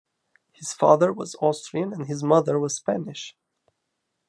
His father was Austrian and his mother was Spanish.